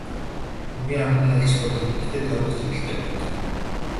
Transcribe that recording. Хамгийн анхны айлчлал бол ихэнхдээ тагнах чиглэлтэй байдаг.